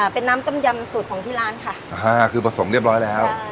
เป็นน้ำต้มยำสูตรของที่ร้านค่ะอ่าคือผสมเรียบร้อยแล้ว